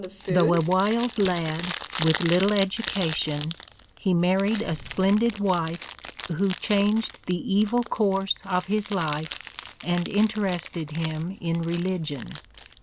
Though a wild lad, with little education, he married a splendid wife who changed the evil course of his life and interested him in religion.